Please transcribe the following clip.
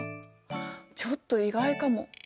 ちょっと意外かも。